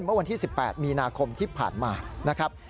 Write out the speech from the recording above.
เมื่อวันที่๑๘มีนาคมที่ผ่านมานะครับ